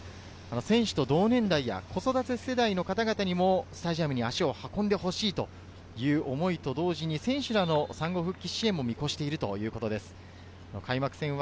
選手と同年代や子育て世代の方々にもスタジアムに足を運んでほしいという思いと同時に選手らの産後復帰支援も見越しているということです。